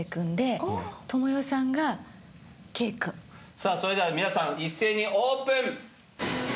さぁそれでは皆さん一斉にオープン。